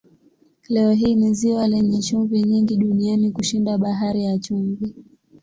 Leo hii ni ziwa lenye chumvi nyingi duniani kushinda Bahari ya Chumvi.